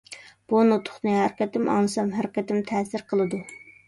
بۇ نۇتۇقنى ھەر قېتىم ئاڭلىسام ھەر قېتىم تەسىر قىلىدۇ.